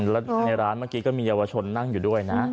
แล้วในร้านเมื่อกี้ก็มีเยาวชนนั่งอยู่ด้วยนะ